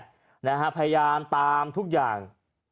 พยายามตามทุกอย่าง